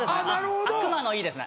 「悪魔の」いいですね